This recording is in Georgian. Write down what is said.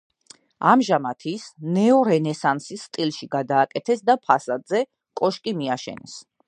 ამჟამად ის ნეორენესანსის სტილში გადააკეთეს და ფასადზე კოშკი მიაშენეს.